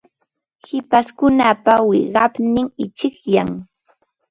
Hipashkunapa wiqawnin ichikllam.